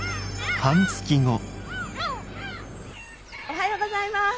おはようございます。